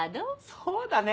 そうだね。